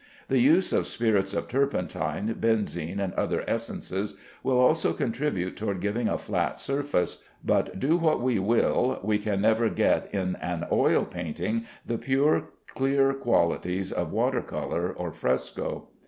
The use of spirits of turpentine, benzine, and other essences, will also contribute toward giving a flat surface; but do what we will, we can never get in an oil painting the pure, clear qualities of water color or fresco.